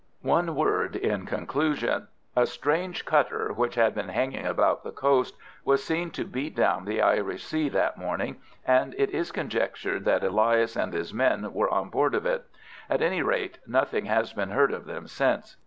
One word in conclusion. A strange cutter, which had been hanging about the coast, was seen to beat down the Irish Sea that morning, and it is conjectured that Elias and his men were on board of it. At any rate, nothing has been heard of them since.